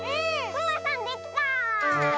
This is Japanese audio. くまさんできた！